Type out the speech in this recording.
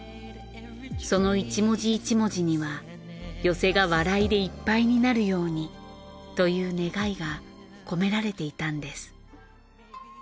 その１文字１文字には寄席が笑いでいっぱいになるようにという願いが込められていたんです。